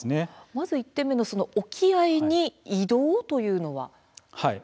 まず１点目の沖合に移動というのは。